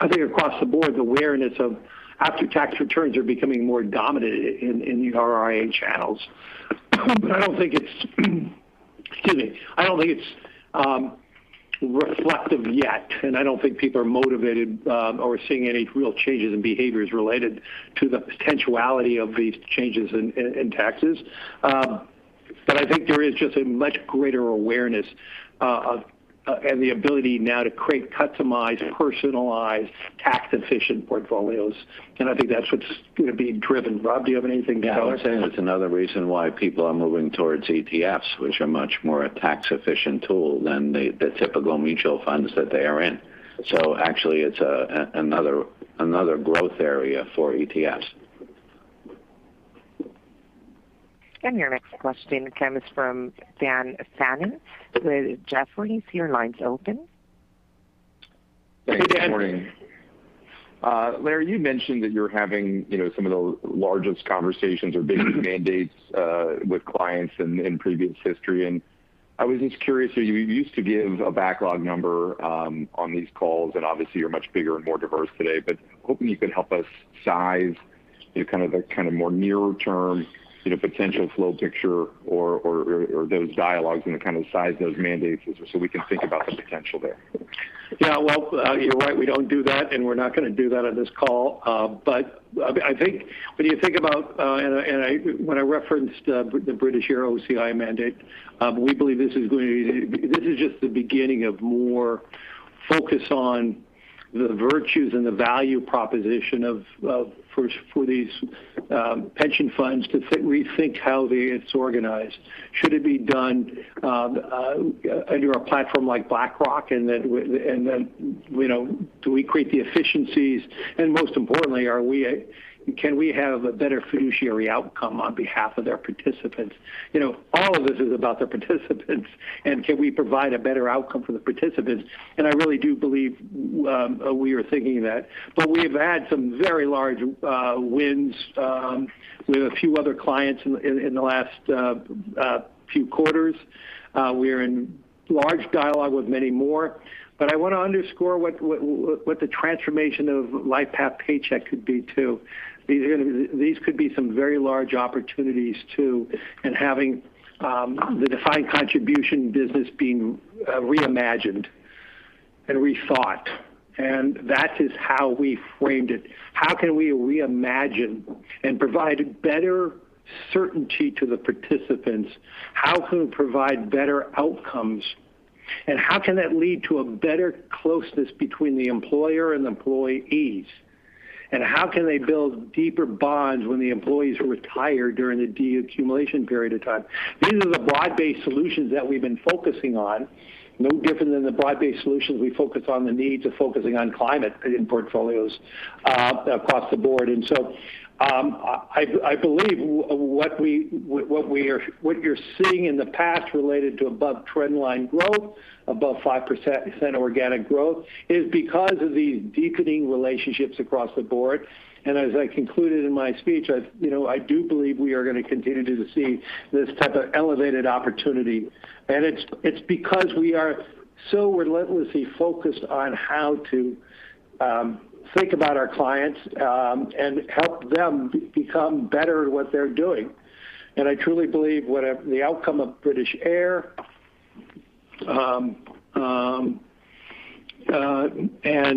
I think across the board, the awareness of after-tax returns are becoming more dominant in the RIA channels. I don't think it's reflective yet, and I don't think people are motivated or seeing any real changes in behaviors related to the potentiality of these changes in taxes. I think there is just a much greater awareness and the ability now to create customized, personalized, tax-efficient portfolios. I think that's what's being driven. Rob, do you have anything to add? I would say that's another reason why people are moving towards ETFs, which are a much more tax-efficient tool than the typical mutual funds that they are in. actually, it's another growth area for ETFs. Your next question comes from Dan Fannon with Jefferies. Your line is open. Thanks. Good morning. Larry, you mentioned that you're having some of the largest conversations or biggest mandates with clients in previous history, and I was just curious. You used to give a backlog number on these calls, and obviously you're much bigger and more diverse today, but hoping you can help us size the kind of more near-term potential flow picture or those dialogues and kind of size those mandates just so we can think about the potential there. Yeah. Well, you're right, we don't do that, and we're not going to do that on this call. I think when you think about, and when I referenced the BA OCIO mandate, we believe this is just the beginning of more focus on the virtues and the value proposition for these pension funds to rethink how it's organized. Should it be done through a platform like BlackRock, and then do we create the efficiencies? Most importantly, can we have a better fiduciary outcome on behalf of their participants? All of this is about the participants, and can we provide a better outcome for the participants? I really do believe we are thinking that. We've had some very large wins with a few other clients in the last few quarters. We are in large dialogue with many more. I want to underscore what the transformation of LifePath Paycheck could be, too. These could be some very large opportunities, too, and having the defined contribution business being reimagined and rethought, and that is how we framed it. How can we reimagine and provide better certainty to the participants? How can we provide better outcomes? How can that lead to a better closeness between the employer and employees? How can they build deeper bonds when the employees are retired during the deaccumulation period of time? These are the broad-based solutions that we've been focusing on, no different than the broad-based solutions we focus on the need to focusing on climate in portfolios across the board. I believe what you're seeing in the past related to above trend line growth, above 5% organic growth, is because of these deepening relationships across the board. As I concluded in my speech, I do believe we are going to continue to see this type of elevated opportunity. It's because we are so relentlessly focused on how to think about our clients and help them become better at what they're doing. I truly believe the outcome of British Airways, and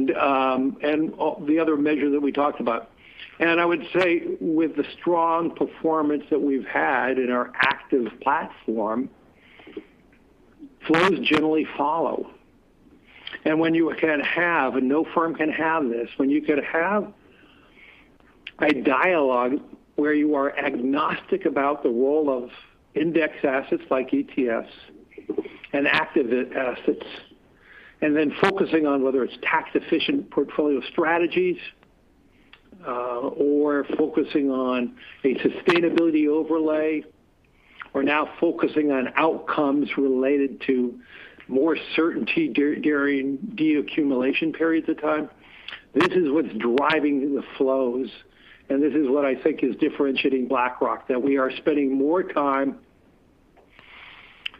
the other major that we talked about. I would say with the strong performance that we've had in our active platform, flows generally follow. when you can have, and no firm can have this, when you can have a dialogue where you are agnostic about the role of index assets like ETFs and active assets, and then focusing on whether it's tax-efficient portfolio strategies, or focusing on a sustainability overlay. We're now focusing on outcomes related to more certainty during de-accumulation periods of time. This is what's driving the flows, and this is what I think is differentiating BlackRock, that we are spending more time,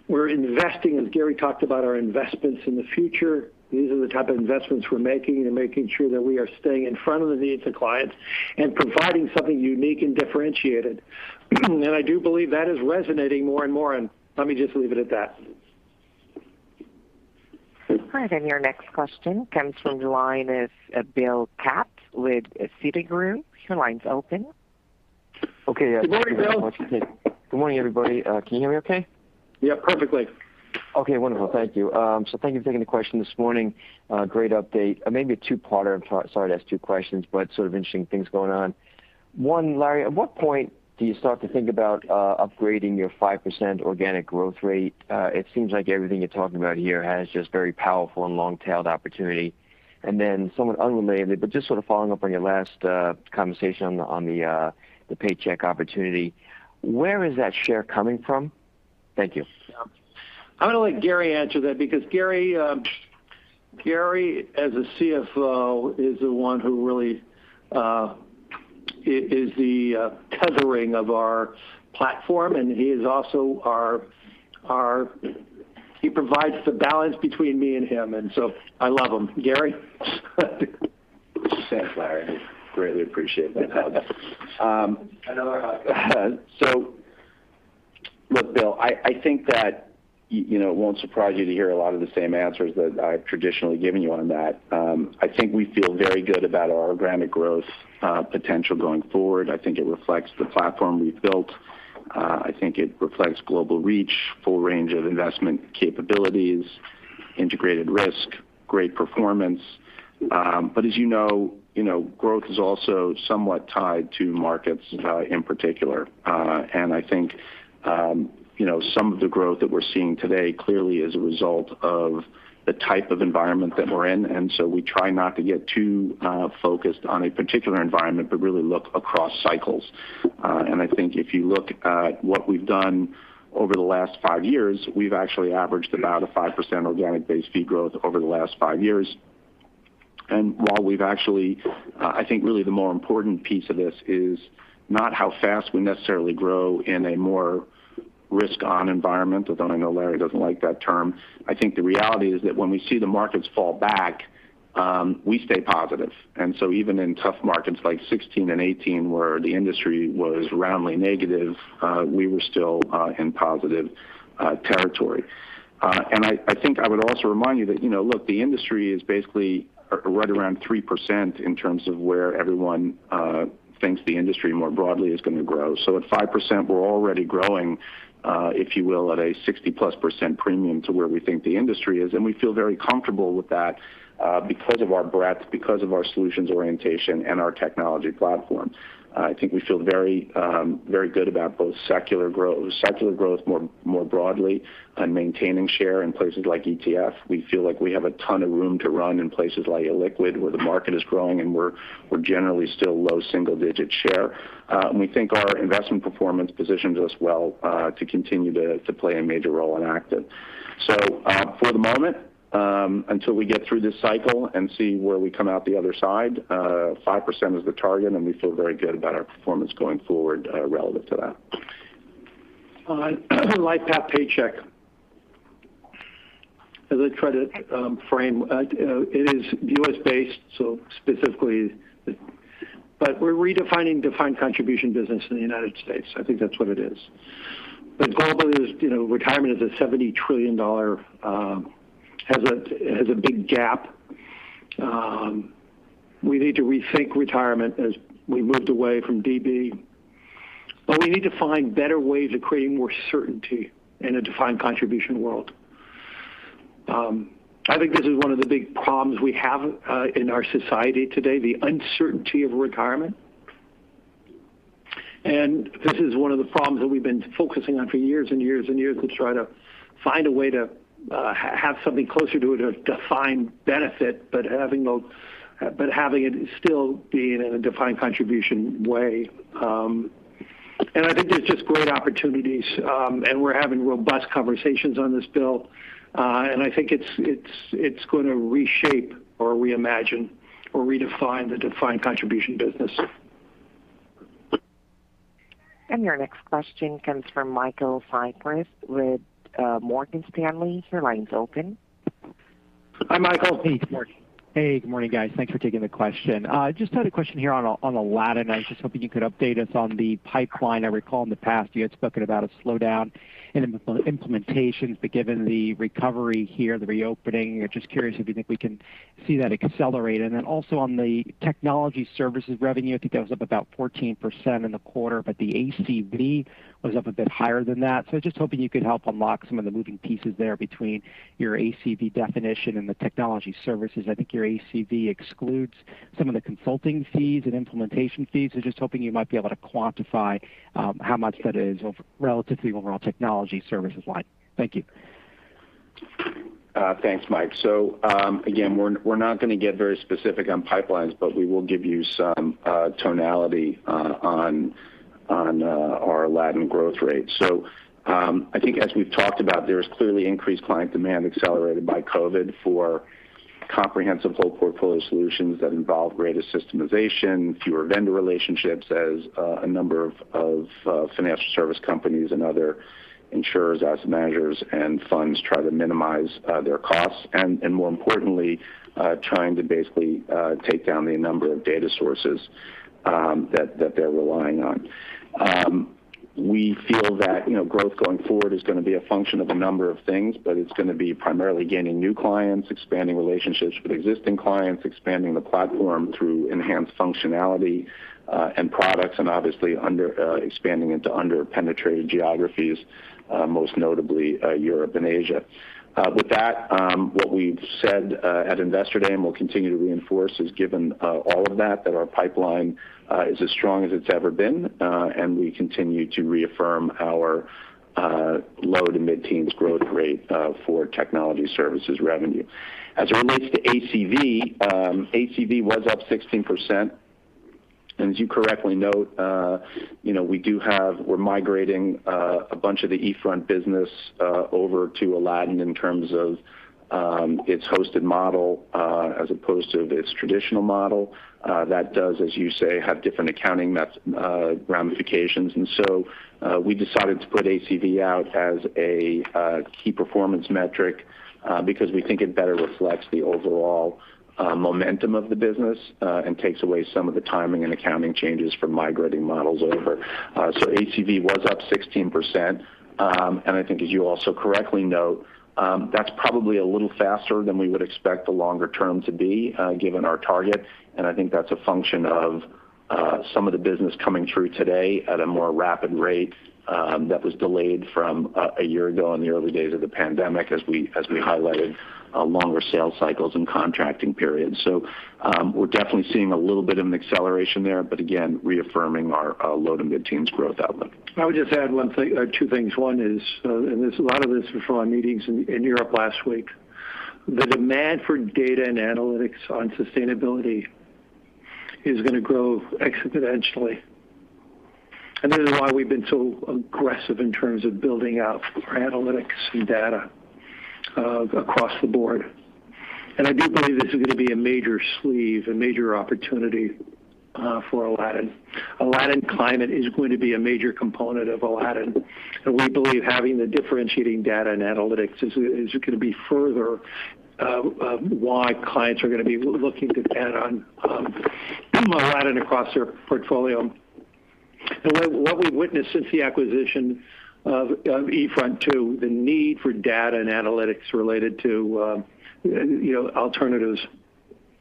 we're investing, as Gary talked about, our investments in the future. These are the type of investments we're making and making sure that we are staying in front of the needs of clients and providing something unique and differentiated. I do believe that is resonating more and more, and let me just leave it at that. All right. Your next question comes from the line of Bill Katz with Citigroup. Your line's open. Good morning, Bill. Good morning, everybody. Can you hear me okay? Yeah, perfectly. Okay, wonderful. Thank you. Thank you for taking the question this morning. Great update. I may be a two-parter. I'm sorry to ask two questions, but sort of interesting things going on. One, Larry, at what point do you start to think about upgrading your 5% organic growth rate? It seems like everything you're talking about here has just very powerful and long-tailed opportunity, and then somewhat unrelated, but just sort of following up on your last conversation on the Paycheck opportunity. Where is that share coming from? Thank you. Yeah. I'm going to let Gary answer that because Gary as a CFO, is the one who really is the tethering of our platform, and he provides the balance between me and him, and so I love him. Gary? Thanks, Larry. Greatly appreciate that. Look, Bill, I think that it won't surprise you to hear a lot of the same answers that I've traditionally given you on that. I think we feel very good about our organic growth potential going forward. I think it reflects the platform we've built. I think it reflects global reach, full range of investment capabilities, integrated risk, great performance. As you know, growth is also somewhat tied to markets in particular. I think some of the growth that we're seeing today clearly is a result of the type of environment that we're in, and so we try not to get too focused on a particular environment, but really look across cycles. I think if you look at what we've done over the last five years, we've actually averaged about a 5% organic-based fee growth over the last five years. While we've actually, I think really the more important piece of this is not how fast we necessarily grow in a more risk-on environment, although I know Larry doesn't like that term. I think the reality is that when we see the markets fall back, we stay positive. Even in tough markets like 2016 and 2018, where the industry was roundly negative, we were still in positive territory. I think I would also remind you that, look, the industry is basically right around 3% in terms of where everyone thinks the industry more broadly is going to grow. At 5%, we're already growing, if you will, at a 60+% premium to where we think the industry is, and we feel very comfortable with that because of our breadth, because of our solutions orientation, and our technology platform. I think we feel very good about both secular growth more broadly and maintaining share in places like ETF. We feel like we have a ton of room to run in places like liquid where the market is growing, and we're generally still low single-digit share. We think our investment performance positions us well to continue to play a major role in active. For the moment, until we get through this cycle and see where we come out the other side, 5% is the target, and we feel very good about our performance going forward relative to that. I like that Paycheck as a credit frame. It is U.S.-based, so specifically, but we're redefining defined contribution business in the U.S. I think that's what it is. Globally, retirement is a $70 trillion, has a big gap. We need to rethink retirement as we've moved away from DB, but we need to find better ways of creating more certainty in a defined contribution world. I think this is one of the big problems we have in our society today, the uncertainty of retirement. This is one of the problems that we've been focusing on for years and years and years and try to find a way to have something closer to a defined benefit, but having it still being in a defined contribution way. I think there's just great opportunities, and we're having robust conversations on this, Bill. I think it's going to reshape or reimagine or redefine the defined contribution business. Your next question comes from Michael Cyprys with Morgan Stanley. Your line's open. Michael. Good morning. Good morning, guys. Thanks for taking the question. Just had a question here on Aladdin. I was hoping you could update us on the pipeline. I recall in the past you had spoken about a slowdown in implementation, but given the recovery here, the reopening, just curious if you think we can see that accelerate? Also on the technology services revenue, I think it was up about 14% in the quarter, but the ACV was up a bit higher than that. Just hoping you could help unlock some of the moving pieces there between your ACV definition and the technology services. I think your ACV excludes some of the consulting fees and implementation fees. Just hoping you might be able to quantify how much that is relative to the overall technology services line. Thank you. Thanks, Michael. Again, we're not going to get very specific on pipelines, but we will give you some tonality on our Aladdin growth rate. I think as we've talked about, there's clearly increased client demand accelerated by COVID for comprehensive whole portfolio solutions that involve greater systemization, fewer vendor relationships as a number of financial service companies and other insurers, asset managers, and funds try to minimize their costs and, more importantly, trying to basically take down the number of data sources that they're relying on. We feel that growth going forward is going to be a function of a number of things, but it's going to be primarily gaining new clients, expanding relationships with existing clients, expanding the platform through enhanced functionality and products, and obviously expanding into under-penetrated geographies, most notably Europe and Asia. With that, what we've said at Investor Day and we'll continue to reinforce is, given all of that our pipeline is as strong as it's ever been. We continue to reaffirm our low- to mid-teens growth rate for technology services revenue. As it relates to ACV was up 16%. As you correctly note, we're migrating a bunch of the eFront business over to Aladdin in terms of its hosted model as opposed to its traditional model. That does, as you say, have different accounting ramifications. We decided to put ACV out as a key performance metric because we think it better reflects the overall momentum of the business and takes away some of the timing and accounting changes from migrating models over. ACV was up 16%. I think as you also correctly note, that's probably a little faster than we would expect the longer term to be, given our target. I think that's a function of some of the business coming through today at a more rapid rate that was delayed from a year ago in the early days of the pandemic, as we highlighted longer sales cycles and contracting periods. We're definitely seeing a little bit of an acceleration there, but again, reaffirming our low- to mid-teens growth outlook. I would just add two things. One is, a lot of this was from our meetings in New York last week, the demand for data and analytics on sustainability is going to grow exponentially. This is why we've been so aggressive in terms of building out analytics and data across the board. I do believe this is going to be a major sleeve, a major opportunity for Aladdin. Aladdin Climate is going to be a major component of Aladdin. We believe having the differentiating data and analytics is going to be further why clients are going to be looking to add on Aladdin across their portfolio. What we've witnessed since the acquisition of eFront, too, the need for data and analytics related to alternatives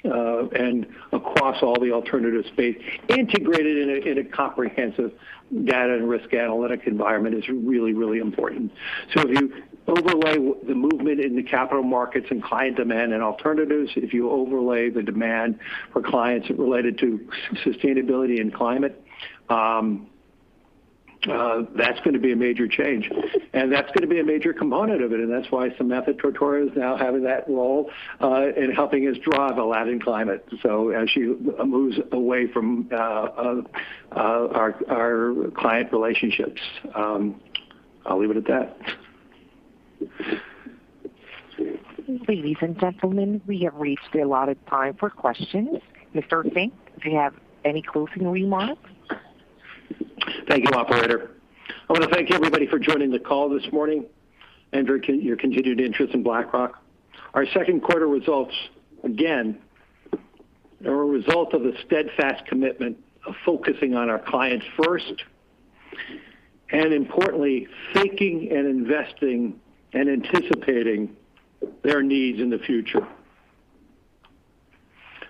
and across all the alternatives space integrated in a comprehensive data and risk analytic environment is really, really important. If you overlay the movement in the capital markets and client demand and alternatives, if you overlay the demand for clients related to sustainability and climate, that's going to be a major change, and that's going to be a major component of it. That's why Samantha Tortora is now having that role in helping us drive Aladdin Climate as she moves away from our client relationships. I'll leave it at that. Ladies and gentlemen, we have reached the allotted time for questions. Mr. Fink, do you have any closing remarks? Thank you, operator. I want to thank everybody for joining the call this morning and for your continued interest in BlackRock. Our second quarter results, again, are a result of a steadfast commitment of focusing on our clients first, and importantly, thinking and investing and anticipating their needs in the future.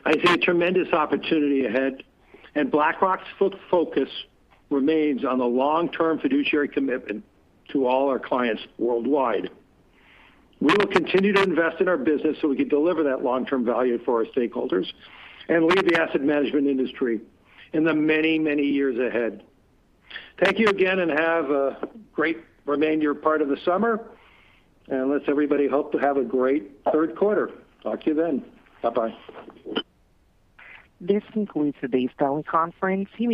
I see a tremendous opportunity ahead, and BlackRock's focus remains on the long-term fiduciary commitment to all our clients worldwide. We will continue to invest in our business so we can deliver that long-term value for our stakeholders and lead the asset management industry in the many, many years ahead. Thank you again, and have a great remainder part of the summer. Let's everybody hope to have a great third quarter. Talk to you then. Bye-bye. This concludes the phone conference meeting.